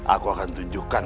aku akan tunjukkan